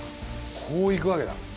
こういくわけだ。